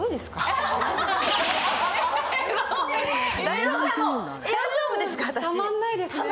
大丈夫ですか、私？